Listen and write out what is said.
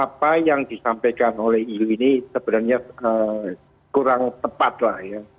apa yang disampaikan oleh iu ini sebenarnya kurang tepat lah ya